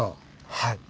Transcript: はい。